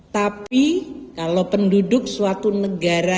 tapi kalau penduduk suatu negara